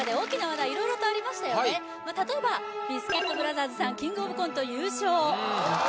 例えばビスケットブラザーズさんキングオブコント優勝